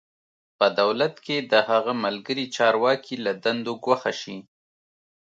په دولت کې د هغه ملګري چارواکي له دندو ګوښه شي.